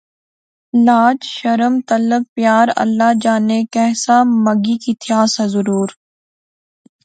لاج، شرم، تعلق، پیار، اللہ جانے کہہ سا مگی کی تھیا سا ضرور